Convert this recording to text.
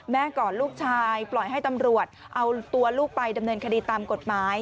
ก่อนลูกชายปล่อยให้ตำรวจเอาตัวลูกไปดำเนินคดีตามกฎหมาย